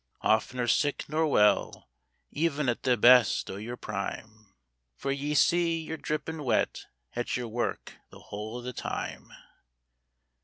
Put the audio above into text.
Off'ner sick nor well, even at the best o' your prime ; For, ye see, yer drippin' wet at yer work the whole o' the time.